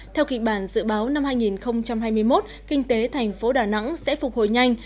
theo kịch bản dự báo năm hai nghìn hai mươi một kinh tế thành phố đà nẵng sẽ phục hồi nhanh